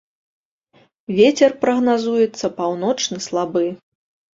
Вецер прагназуецца паўночны слабы.